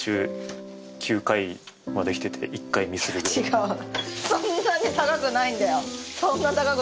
違う。